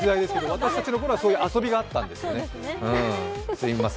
私たちのころはそういう遊びがあったんですね。